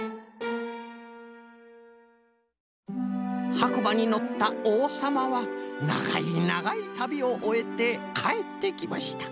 「はくばにのったおうさまはながいながいたびをおえてかえってきました。